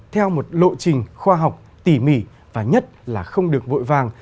theo một lộ trình khoa học tỉ mỉ và nhất là không được vội vàng